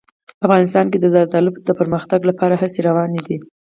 افغانستان کې د زردالو د پرمختګ لپاره هڅې روانې دي.